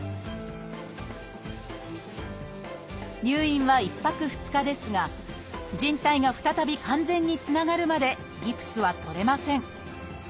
入院は１泊２日ですが靭帯が再び完全につながるまでギプスは取れません。